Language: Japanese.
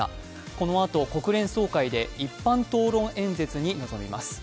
このあと、国連総会で一般討論演説に臨みます。